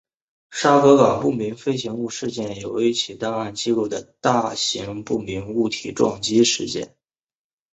沙格港不明飞行物事件的一起有档案记录的大型不明物体撞击事件。